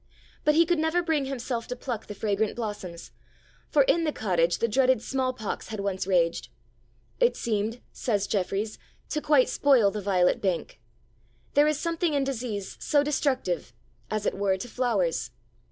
But he could never bring himself to pluck the fragrant blossoms, for, in the cottage, the dreaded small pox had once raged. 'It seemed,' says Jefferies, 'to quite spoil the violet bank. There is something in disease so destructive; as it were, to flowers.'